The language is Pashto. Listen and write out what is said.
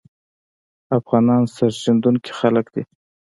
افغانان سرښندونکي خلګ دي